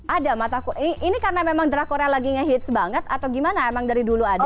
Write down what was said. ada mataku ini karena memang drakornya lagi ngehits banget atau gimana emang dari dulu ada